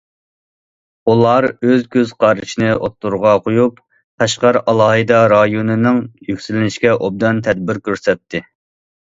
ئۇلار ئۆز كۆز قارىشىنى ئوتتۇرىغا قويۇپ، قەشقەر ئالاھىدە رايونىنىڭ يۈكسىلىشىگە ئوبدان تەدبىر كۆرسەتتى.